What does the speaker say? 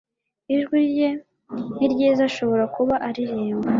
Ijwi rye niryiza ashobora kuba aririmba